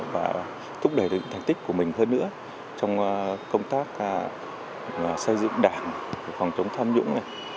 và thúc đẩy được thành tích của mình hơn nữa trong công tác xây dựng đảng phòng chống tham nhũng